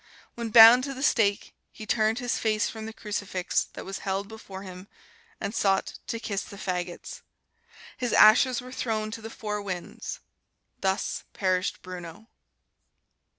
When bound to the stake he turned his face from the crucifix that was held before him, and sought to kiss the fagots. His ashes were thrown to the four winds. Thus perished Bruno.